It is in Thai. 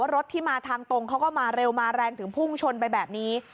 รถที่มาทางตรงเขาก็มาเร็วมาแรงถึงพุ่งชนไปแบบนี้